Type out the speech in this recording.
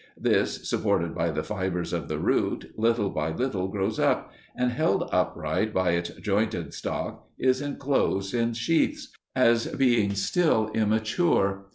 This, supported by the fibres of the root, little by little grows up, and held upright by its jointed stalk is enclosed in sheaths, as being still immature.